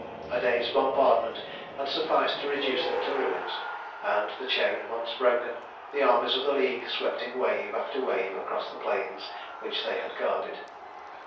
A day's bombardment had sufficed to reduce them to ruins, and, the chain once broken, the armies of the League swept in wave after wave across the plains which they had guarded.